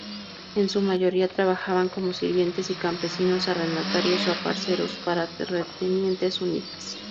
En su mayoría trabajaban como sirvientes y campesinos arrendatarios o aparceros para terratenientes Sunitas.